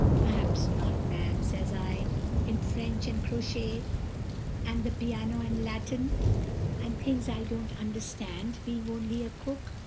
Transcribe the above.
"'Perhaps not, ma'am,' says I, 'in French, and crochet, and the piano, and Latin, and things I don't understand, being only a cook.